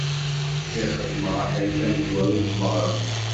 Cfiɣ xedmeɣ aḥric amezwaru n tmeɣra.